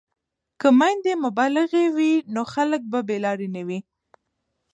که میندې مبلغې وي نو خلک به بې لارې نه وي.